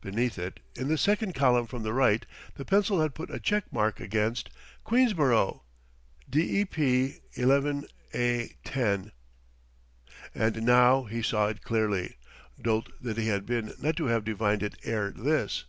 Beneath it, in the second column from the right, the pencil had put a check mark against: QUEENSBOROUGH ... DEP ... 11A10. And now he saw it clearly dolt that he had been not to have divined it ere this!